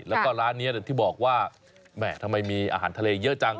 แล้วก็ร้านนี้ที่บอกว่าแหมทำไมมีอาหารทะเลเยอะจัง